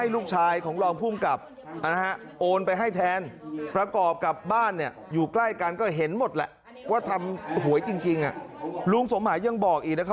รายการก็เห็นหมดแหละว่าทำหวยจริงลุงสมหมายยังบอกอีก